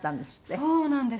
そうなんです。